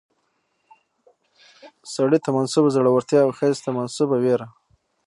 سړي ته منسوبه زړورتيا او ښځې ته منسوبه ويره